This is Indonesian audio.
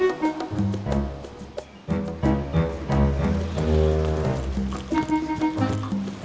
masasya udah ngacret abis saya garis itu kanara ya building it depan ooo